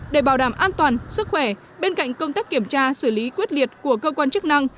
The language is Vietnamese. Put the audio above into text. để bảo đảm an toàn sức khỏe bên cạnh công tác kiểm tra xử lý quyết liệt của cơ quan chức năng